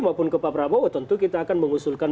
maupun ke pak prabowo tentu kita akan mengusulkan